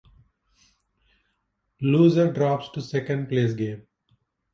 Loser drops to second place game.